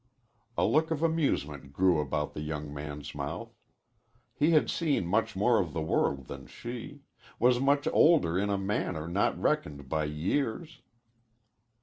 A look of amusement grew about the young man's mouth. He had seen much more of the world than she; was much older in a manner not reckoned by years.